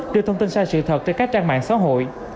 đưa thông tin sai sự thật trên các trang mạng xã hội